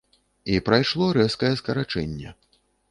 І прайшло рэзкае скарачэнне.